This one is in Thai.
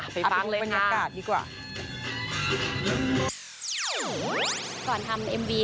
ไปฟังเลยค่ะ